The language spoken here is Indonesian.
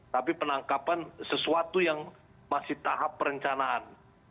tapi penangkapan sesuatu yang masih tahap perencanaan